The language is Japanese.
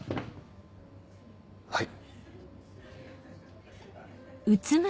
はい。